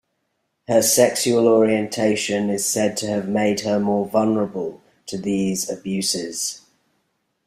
Her sexual orientation is said to have made her more vulnerable to these abuses.